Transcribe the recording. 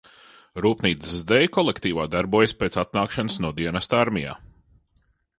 Rūpnīcas deju kolektīvā darbojas pēc atnākšanas no dienesta armijā.